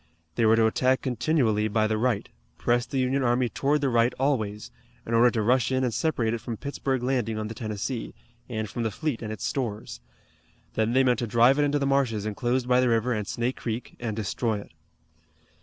They were to attack continually by the right, press the Union army toward the right always, in order to rush in and separate it from Pittsburg Landing on the Tennessee, and from the fleet and its stores. Then they meant to drive it into the marshes enclosed by the river and Snake Creek and destroy it.